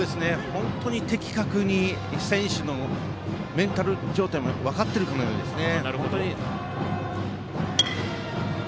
的確に選手のメンタル状態も分かっているかのようですね。